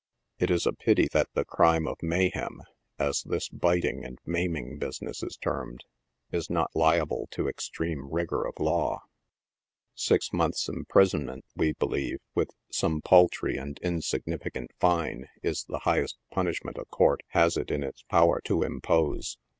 It is a pity that the crime of mayhem, as this biting and maiming business is termed, is not liable to extreme rigor of law. Six months' imprisonment, we believe, with some paltry and insignificant fine, is the highest punishment a court has it in its power to impose.